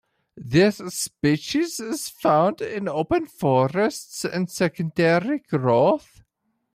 This species is found in open forests and secondary growth.